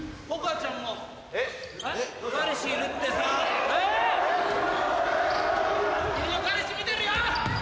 君の彼氏見てるよ！